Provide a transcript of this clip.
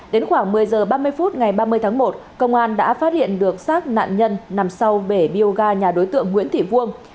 đến khoảng một mươi h ba mươi phút ngày ba mươi tháng một công an đã phát hiện được xác nạn nhân nằm sau bể bioga nhà đối tượng nguyễn thị vuông